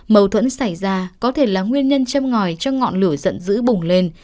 mâu thuẫn xảy ra có thể là nguyên nhân châm ngòi cho ngọn lửa giận dữ bùng lên